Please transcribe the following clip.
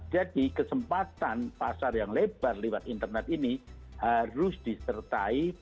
kesempatan pasar yang lebar lewat internet ini harus disertai